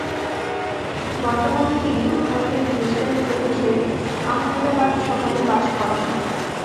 বর্তমানে তিনি ভারতের গুজরাট প্রদেশের আহমেদাবাদ শহরে বাস করেন।